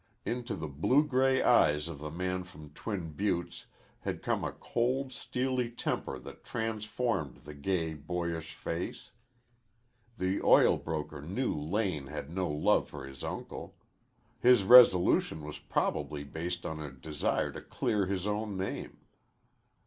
Into the blue gray eyes of the man from Twin Buttes had come a cold steely temper that transformed the gay, boyish face. The oil broker knew Lane had no love for his uncle. His resolution was probably based on a desire to clear his own name.